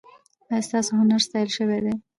ایا ستاسو هنر ستایل شوی دی؟